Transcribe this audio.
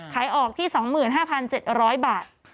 ขายออกที่๒๕๗๐๐บาท